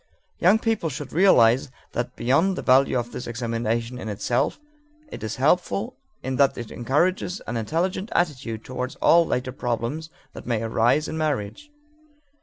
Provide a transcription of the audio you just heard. Young people should realize also that beyond the value of this examination in itself, it is helpful in that it encourages an intelligent attitude toward all later problems that may arise in marriage.